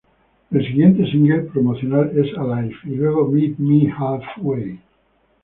El siguiente single promocional es "Alive" y luego "Meet Me Halfway".